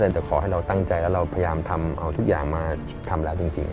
แต่ขอให้เราตั้งใจแล้วเราพยายามทำเอาทุกอย่างมาทำแล้วจริง